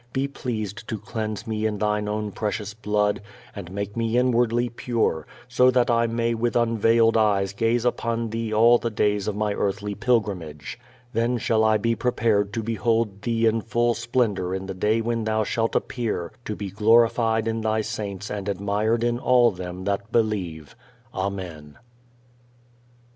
Be pleased to cleanse me in Thine own precious blood, and make me inwardly pure, so that I may with unveiled eyes gaze upon Thee all the days of my earthly pilgrimage. Then shall I be prepared to behold Thee in full splendor in the day when Thou shalt appear to be glorified in Thy saints and admired in all them that believe. Amen.